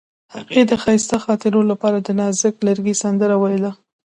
هغې د ښایسته خاطرو لپاره د نازک لرګی سندره ویله.